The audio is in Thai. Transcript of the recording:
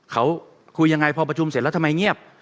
เขาคุยยังไงพอประชุมเสร็จแล้วทำไมเงียบ